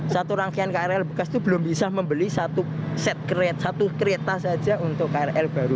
satu rangkaian krl bekas itu belum bisa membeli satu kereta saja untuk krl baru